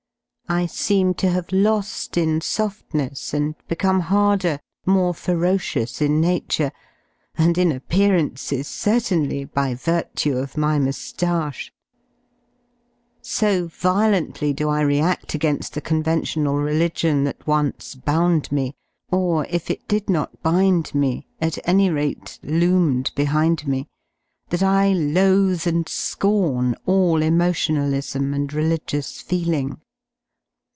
I seem to have lo^ in softness and become harder, more ferocious in nature, and in appearances certainly, by virtue of my mous^che ! So violently do I read againil the conventional religion that once bound me — or if it did not bind me, at any rate loomed behind me — that I loathe and scorn all emotionalism and religious feeling.